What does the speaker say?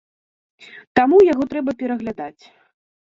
Таму яго трэба пераглядаць.